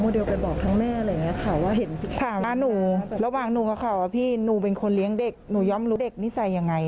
ด้วยเลี้ยงเด็กหนูยอมรู้เด็กนิสัยอย่างไร